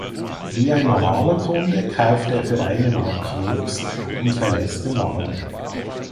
Wie ein normaler Kunde kauft er für eine Mark Wurst und verlässt den Laden.